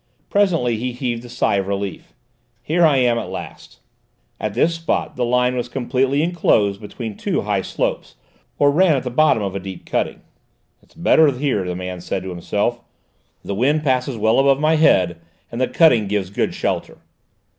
Presently he heaved a sigh of relief. "Here I am at last." At this spot the line was completely enclosed between two high slopes, or ran at the bottom of a deep cutting. "It's better here," the man said to himself; "the wind passes well above my head, and the cutting gives good shelter."